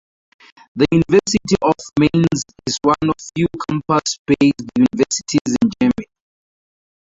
The University of Mainz is one of few campus-based universities in Germany.